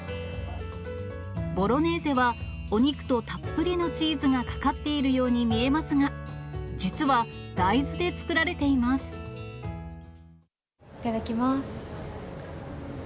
ボロネーゼは、お肉とたっぷりのチーズがかかっているように見えますが、実は、いただきます。